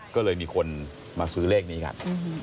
ก็เลยมีคนมาซื้อเลขนี้กัน